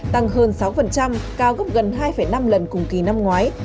tăng hơn sáu cao gấp gần hai năm lần cùng kỳ năm ngoái